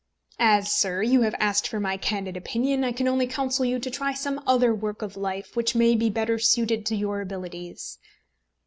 "As, sir, you have asked for my candid opinion, I can only counsel you to try some other work of life which may be better suited to your abilities."